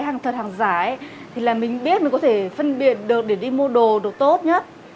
hàng thật hàng giả thì là mình biết mình có thể phân biệt được để đi mua đồ được tốt nhất